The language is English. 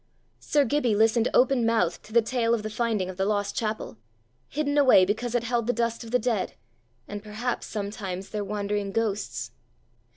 Sir Gibbie listened open mouthed to the tale of the finding of the lost chapel, hidden away because it held the dust of the dead, and perhaps sometimes their wandering ghosts.